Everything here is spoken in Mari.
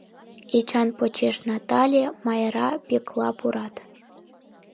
Эчан почеш Натале, Майра, Пӧкла пурат.